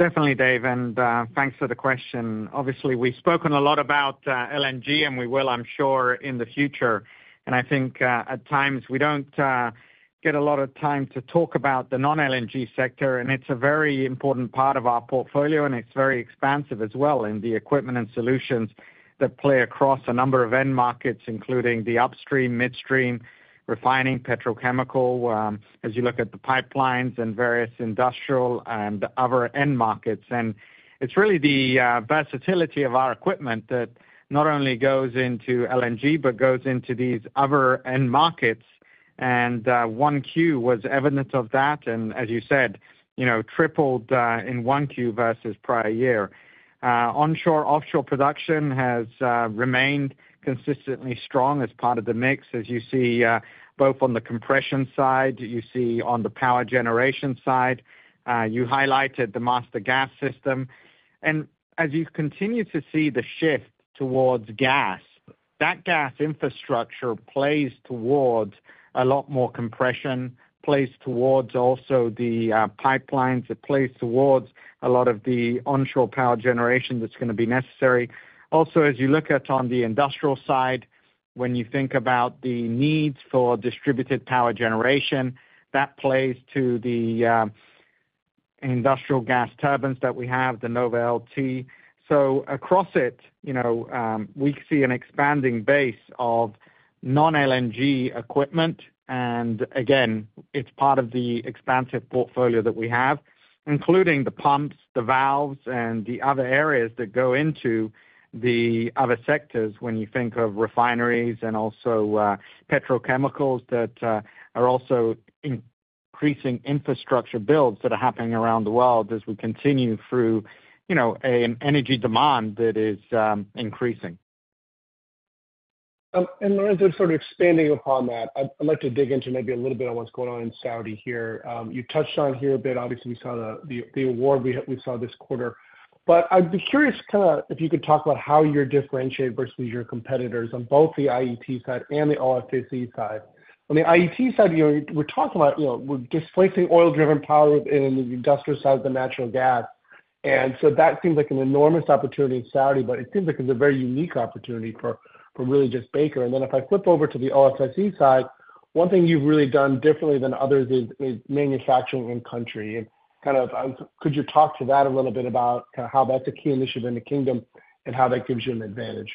Definitely, Dave. And thanks for the question. Obviously, we've spoken a lot about LNG, and we will, I'm sure, in the future. And I think at times we don't get a lot of time to talk about the non-LNG sector, and it's a very important part of our portfolio, and it's very expansive as well in the equipment and solutions that play across a number of end markets, including the upstream, midstream, refining, petrochemical, as you look at the pipelines and various industrial and other end markets. And it's really the versatility of our equipment that not only goes into LNG but goes into these other end markets. And 1Q was evidence of that. And as you said, tripled in 1Q versus prior year. Onshore/offshore production has remained consistently strong as part of the mix, as you see both on the compression side, you see on the power generation side. You highlighted the Master Gas System. As you continue to see the shift towards gas, that gas infrastructure plays towards a lot more compression, plays towards also the pipelines. It plays towards a lot of the onshore power generation that's going to be necessary. Also, as you look at on the industrial side, when you think about the needs for distributed power generation, that plays to the industrial gas turbines that we have, the Nova LT. Across it, we see an expanding base of non-LNG equipment. Again, it's part of the expansive portfolio that we have, including the pumps, the valves, and the other areas that go into the other sectors when you think of refineries and also petrochemicals that are also increasing infrastructure builds that are happening around the world as we continue through an energy demand that is increasing. Lorenzo, sort of expanding upon that, I'd like to dig into maybe a little bit on what's going on in Saudi here. You touched on here a bit. Obviously, we saw the award we saw this quarter. But I'd be curious kind of if you could talk about how you're differentiated versus your competitors on both the IET side and the OFSE side. On the IET side, we're talking about displacing oil-driven power within the industrial side of the natural gas. And so that seems like an enormous opportunity in Saudi, but it seems like it's a very unique opportunity for really just Baker. And then if I flip over to the OFSE side, one thing you've really done differently than others is manufacturing in-country. Could you talk to that a little bit about kind of how that's a key initiative in the kingdom and how that gives you an advantage?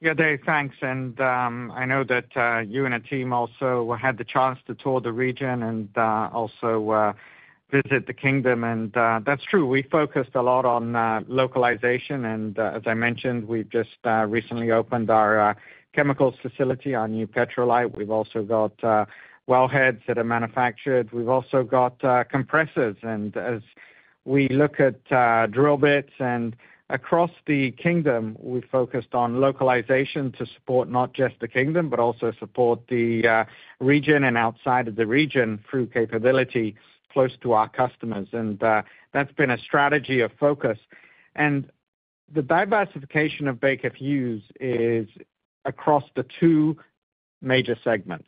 Yeah, Dave, thanks. I know that you and a team also had the chance to tour the region and also visit the kingdom. That's true. We focused a lot on localization. As I mentioned, we've just recently opened our chemicals facility, our new Petrolite. We've also got wellheads that are manufactured. We've also got compressors. As we look at drill bits, and across the kingdom, we've focused on localization to support not just the kingdom but also support the region and outside of the region through capability close to our customers. That's been a strategy of focus. The diversification of Baker Hughes is across the two major segments.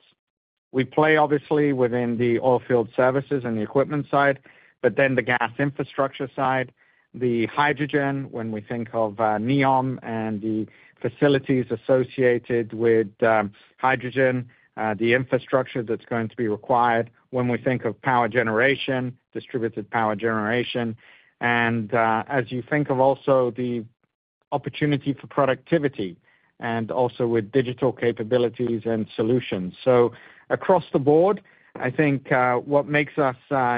We play, obviously, within the oilfield services and the equipment side, but then the gas infrastructure side, the hydrogen when we think of NEOM and the facilities associated with hydrogen, the infrastructure that's going to be required when we think of power generation, distributed power generation, and as you think of also the opportunity for productivity and also with digital capabilities and solutions. So across the board, I think what makes us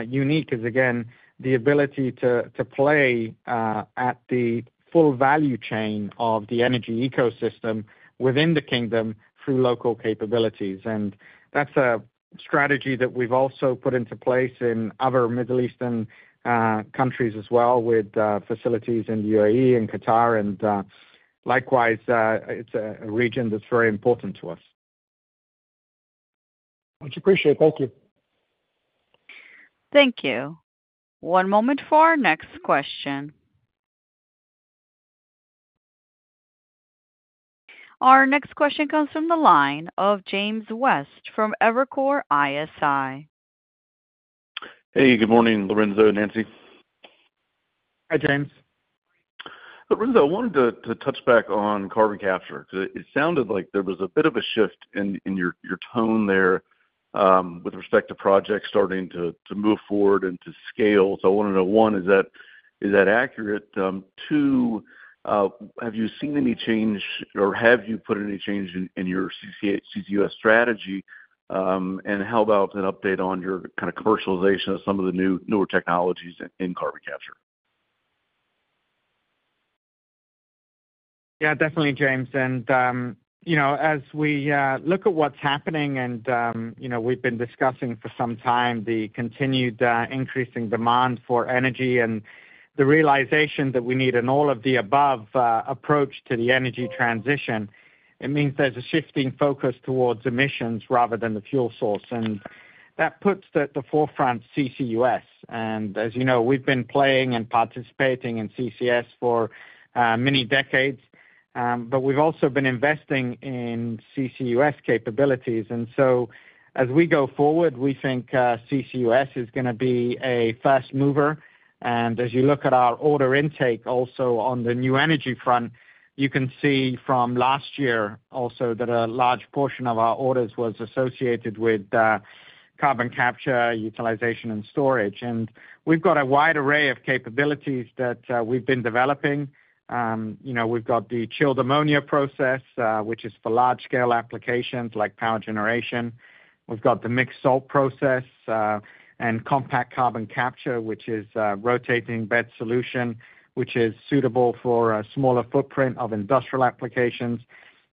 unique is, again, the ability to play at the full value chain of the energy ecosystem within the kingdom through local capabilities. And that's a strategy that we've also put into place in other Middle Eastern countries as well with facilities in the UAE and Qatar. And likewise, it's a region that's very important to us. Much appreciated. Thank you. Thank you. One moment for our next question. Our next question comes from the line of James West from Evercore ISI. Hey, good morning, Lorenzo, Nancy. Hi, James. Lorenzo, I wanted to touch back on carbon capture because it sounded like there was a bit of a shift in your tone there with respect to projects starting to move forward and to scale. So I want to know, one, is that accurate? Two, have you seen any change or have you put any change in your CCUS strategy? And how about an update on your kind of commercialization of some of the newer technologies in carbon capture? Yeah, definitely, James. And as we look at what's happening, and we've been discussing for some time the continued increasing demand for energy and the realization that we need an all-of-the-above approach to the energy transition, it means there's a shifting focus towards emissions rather than the fuel source. And that puts the forefront CCUS. And as you know, we've been playing and participating in CCS for many decades. But we've also been investing in CCUS capabilities. And so as we go forward, we think CCUS is going to be a first mover. And as you look at our order intake also on the new energy front, you can see from last year also that a large portion of our orders was associated with carbon capture, utilization, and storage. And we've got a wide array of capabilities that we've been developing. We've got the Chilled Ammonia Process, which is for large-scale applications like power generation. We've got the Mixed Salt Process and Compact Carbon Capture, which is a rotating bed solution, which is suitable for a smaller footprint of industrial applications.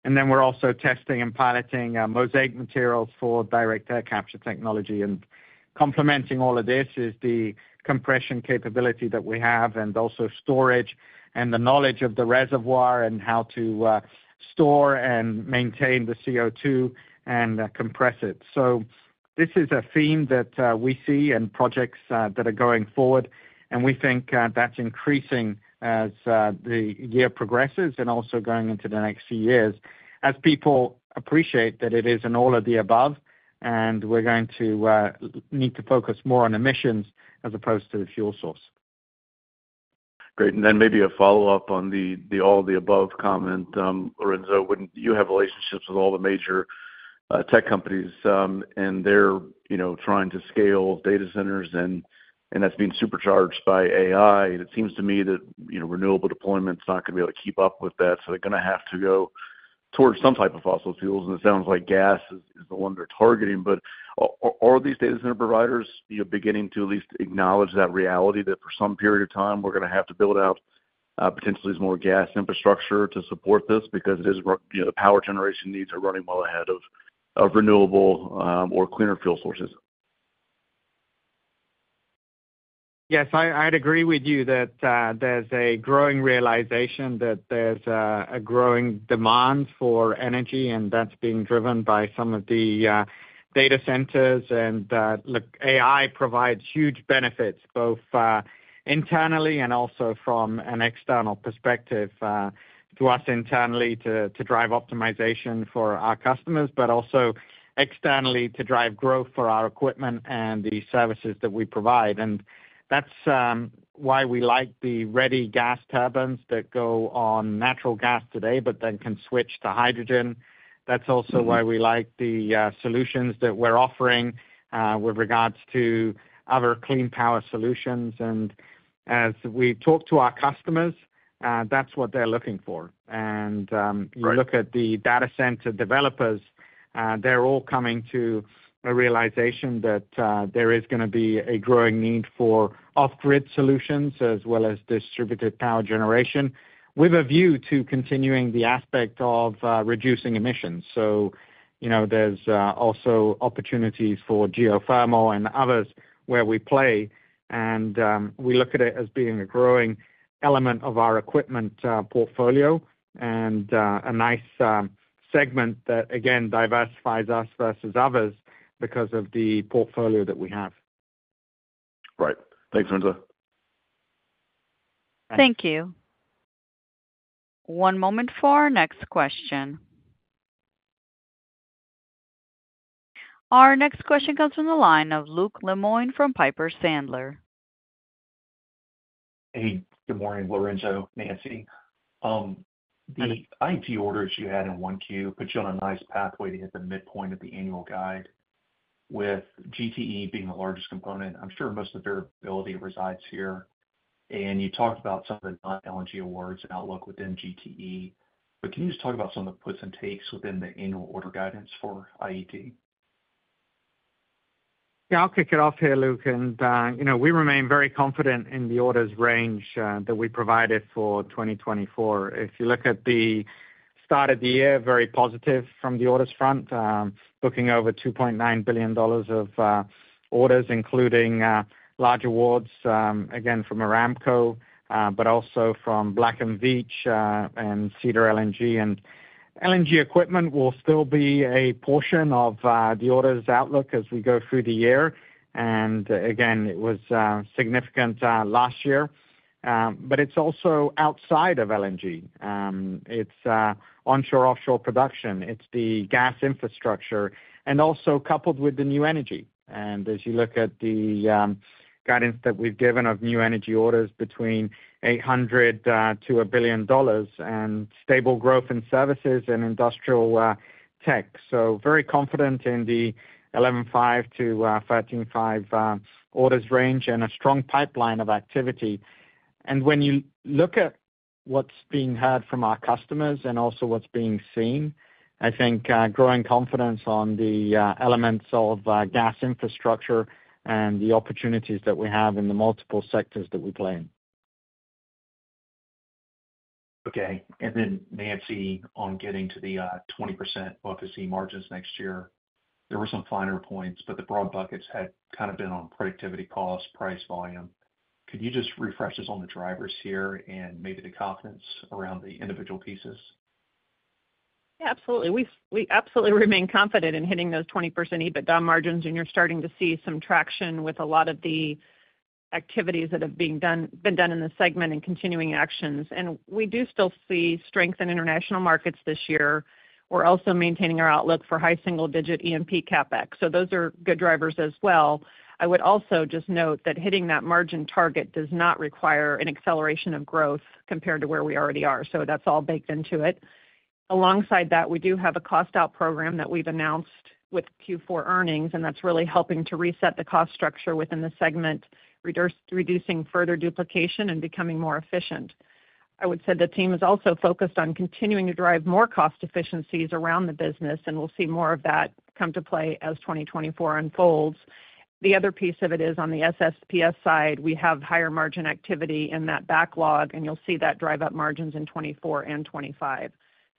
And then we're also testing and piloting Mosaic Materials for direct air capture technology. And complementing all of this is the compression capability that we have and also storage and the knowledge of the reservoir and how to store and maintain the CO2 and compress it. So this is a theme that we see and projects that are going forward. And we think that's increasing as the year progresses and also going into the next few years as people appreciate that it is an all-of-the-above, and we're going to need to focus more on emissions as opposed to the fuel source. Great. And then maybe a follow-up on the all-of-the-above comment. Lorenzo, you have relationships with all the major tech companies, and they're trying to scale data centers, and that's being supercharged by AI. It seems to me that renewable deployment's not going to be able to keep up with that. So they're going to have to go towards some type of fossil fuels. And it sounds like gas is the one they're targeting. But are these data center providers beginning to at least acknowledge that reality that for some period of time, we're going to have to build out potentially more gas infrastructure to support this because the power generation needs are running well ahead of renewable or cleaner fuel sources? Yes, I'd agree with you that there's a growing realization that there's a growing demand for energy, and that's being driven by some of the data centers. And look, AI provides huge benefits both internally and also from an external perspective to us internally to drive optimization for our customers, but also externally to drive growth for our equipment and the services that we provide. And that's why we like the ready gas turbines that go on natural gas today but then can switch to hydrogen. That's also why we like the solutions that we're offering with regards to other clean power solutions. And as we talk to our customers, that's what they're looking for. You look at the data center developers, they're all coming to a realization that there is going to be a growing need for off-grid solutions as well as distributed power generation with a view to continuing the aspect of reducing emissions. There's also opportunities for geothermal and others where we play. We look at it as being a growing element of our equipment portfolio and a nice segment that, again, diversifies us versus others because of the portfolio that we have. Right. Thanks, Lorenzo. Thank you. One moment for our next question. Our next question comes from the line of Luke Lemoine from Piper Sandler. Hey, good morning, Lorenzo, Nancy. The IET orders you had in 1Q put you on a nice pathway to hit the midpoint of the annual guide with GTE being the largest component. I'm sure most of the variability resides here. And you talked about some of the non-LNG awards outlook within GTE. But can you just talk about some of the puts and takes within the annual order guidance for IET? Yeah, I'll kick it off here, Luke. We remain very confident in the orders range that we provided for 2024. If you look at the start of the year, very positive from the orders front, looking over $2.9 billion of orders, including large awards, again, from Aramco, but also from Black & Veatch and Cedar LNG. LNG equipment will still be a portion of the orders outlook as we go through the year. Again, it was significant last year. It's also outside of LNG. It's onshore/offshore production. It's the gas infrastructure and also coupled with the new energy. As you look at the guidance that we've given of new energy orders between $800 million-$1 billion and stable growth in services and industrial tech. Very confident in the $11.5 billion-$13.5 billion orders range and a strong pipeline of activity. When you look at what's being heard from our customers and also what's being seen, I think growing confidence on the elements of gas infrastructure and the opportunities that we have in the multiple sectors that we play in. Okay. And then, Nancy, on getting to the 20% OFSE margins next year, there were some finer points, but the broad buckets had kind of been on productivity, cost, price, volume. Could you just refresh us on the drivers here and maybe the confidence around the individual pieces? Yeah, absolutely. We absolutely remain confident in hitting those 20% EBITDA margins. You're starting to see some traction with a lot of the activities that have been done in the segment and continuing actions. We do still see strength in international markets this year. We're also maintaining our outlook for high single-digit IET CapEx. Those are good drivers as well. I would also just note that hitting that margin target does not require an acceleration of growth compared to where we already are. That's all baked into it. Alongside that, we do have a cost-out program that we've announced with Q4 earnings. That's really helping to reset the cost structure within the segment, reducing further duplication and becoming more efficient. I would say the team is also focused on continuing to drive more cost efficiencies around the business. We'll see more of that come to play as 2024 unfolds. The other piece of it is on the SSPS side, we have higher margin activity in that backlog. You'll see that drive up margins in 2024 and 2025.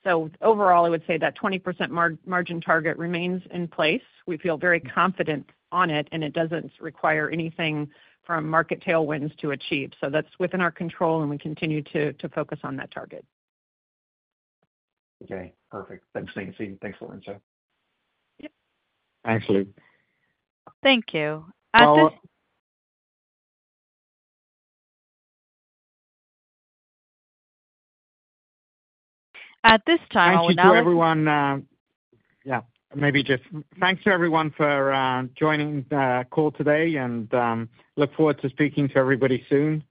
Overall, I would say that 20% margin target remains in place. We feel very confident on it. It doesn't require anything from market tailwinds to achieve. That's within our control. We continue to focus on that target. Okay. Perfect. Thanks, Nancy. Thanks, Lorenzo. Yeah. Thanks, Luke. Thank you. Well. At this time, I will now. Thank you to everyone. Yeah, maybe just thanks to everyone for joining the call today. Look forward to speaking to everybody soon.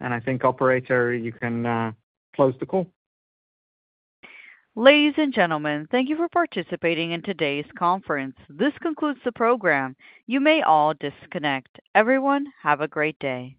I think, operator, you can close the call. Ladies and gentlemen, thank you for participating in today's conference. This concludes the program. You may all disconnect. Everyone, have a great day.